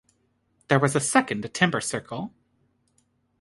There was a second timber circle.